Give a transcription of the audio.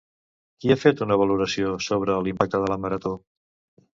Qui ha fet una valoració sobre l'impacte de la Marató?